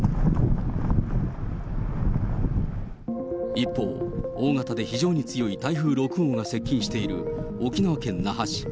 一方、大型で非常に強い台風６号が接近している沖縄県那覇市。